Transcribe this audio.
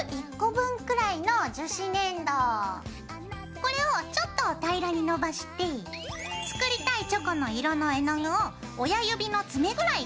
これをちょっと平らにのばして作りたいチョコの色の絵の具を親指の爪ぐらい垂らして。